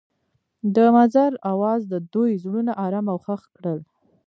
د منظر اواز د دوی زړونه ارامه او خوښ کړل.